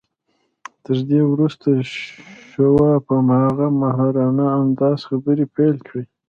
تر دې وروسته شواب په هماغه ماهرانه انداز خبرې پيل کړې.